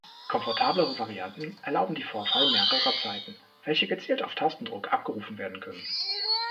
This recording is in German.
Komfortablere Varianten erlauben die Vorwahl mehrerer Zeiten, welche gezielt auf Tastendruck abgerufen werden können.